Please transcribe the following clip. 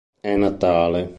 È Natale.